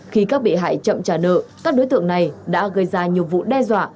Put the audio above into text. khi các bị hại chậm trả nợ các đối tượng này đã gây ra nhiều vụ đe dọa